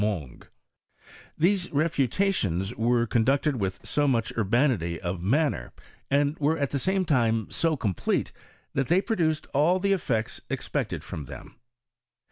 Monge. These refutations were conducted with so much urbanity of manner, and were at the same time so complete, that they produced all the effects expected from them.